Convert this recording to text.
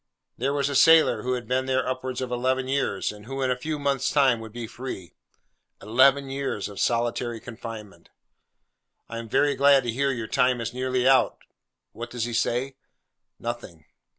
There was a sailor who had been there upwards of eleven years, and who in a few months' time would be free. Eleven years of solitary confinement! 'I am very glad to hear your time is nearly out.' What does he say? Nothing.